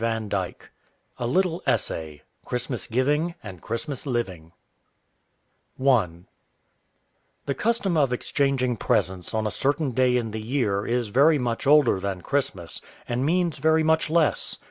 A LITTLE ESSAY CHRISTMAS GIVING AND CHRISTMAS LIVING I The custom of exchanging presents on a certain day in the year is very much older than Christmas, and means very much less.